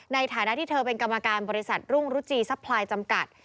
ในฐานะที่เธอเป็นกรรมการบริษัทรุ่งรุจีซัพพลายจำกัด